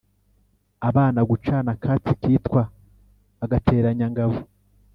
abana gucana akatsi kitwa « agateranyangabo »